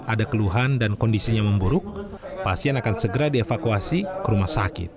ada keluhan dan kondisinya memburuk pasien akan segera dievakuasi ke rumah sakit